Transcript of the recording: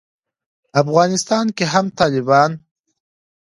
افغانستان کې هم طالبان